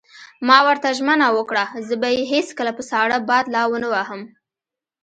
ما ورته ژمنه وکړه: زه به یې هېڅکله په ساړه باد لا ونه وهم.